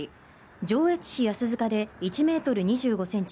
上越市安塚で１ｍ２５ｃｍ